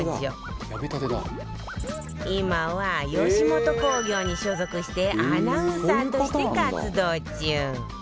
今は吉本興業に所属してアナウンサーとして活動中